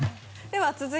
はい。